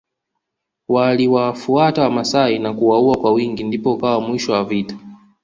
Waliwafuata wamasai na kuwaua kwa wingi ndipo ukawa mwisho wa vita